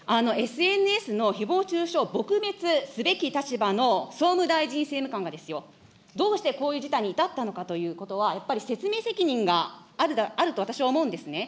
ＳＮＳのひぼう中傷を撲滅すべき立場の総務大臣政務官がですよ、どうしてこういう事態に至ったのかということは、やっぱり説明責任があると私は思うんですね。